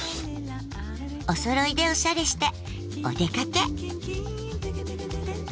おそろいでオシャレしてお出かけ。